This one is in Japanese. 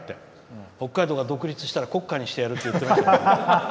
北海道が独立したら国歌にしてやる」って言ってました。